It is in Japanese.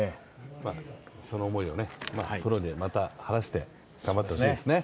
その思いをプロで晴らして頑張ってほしいですね。